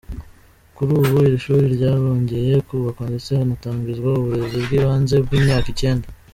Kuri ubu iri shuri ryarongeye kubakwa ndetse hanatangizwa uburezi bw’ibanze bw’imyaka icyenda.